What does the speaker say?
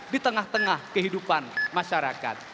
di tengah tengah kehidupan masyarakat